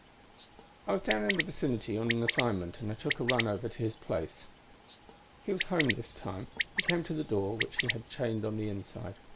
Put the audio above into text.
"I was down in the vicinity on an assignment and I took a run over to his place. "He was home this time. He came to the door, which he had chained on the inside.